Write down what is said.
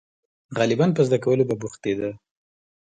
• غالباً په زده کولو به بوختېده.